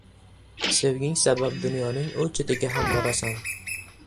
• Sevging sabab dunyoning u chetiga ham borasan.